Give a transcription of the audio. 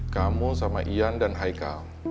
kamu sama ian dan haika